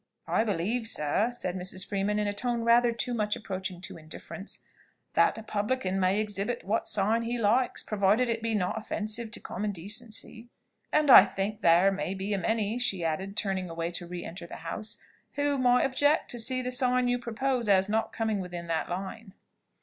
"I believe, sir," said Mrs. Freeman in a tone rather too much approaching to indifference, "that a publican may exhibit what sign he likes, provided it be not offensive to common decency: and I think there may be a many," she added, turning away to re enter her house, "who might object to the sign you propose, as not coming within that line."